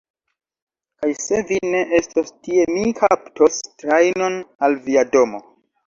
Kaj se vi ne estos tie mi kaptos trajnon al via domo!